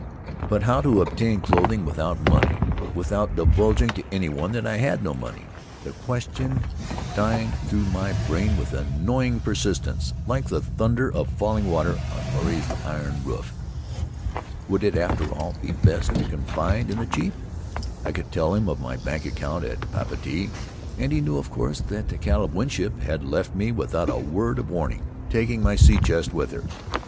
But how obtain clothing without money — without divulging to anyone that I had no money? The question dinned through my brain with annoying persistence, like the thunder of falling water on Puarei's iron roof. Would it, after all, be best to confide in the chief? I could tell him of my bank account at Papeete, and he knew, of course, that the Caleb Winship had left me without a word of warning, taking my sea chest with her.